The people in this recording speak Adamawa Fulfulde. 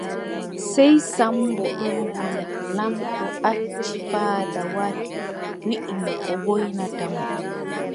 Sey Sammbo ɗon woya, laamɗo acci faada wari, wiʼi mo ko woynata mo.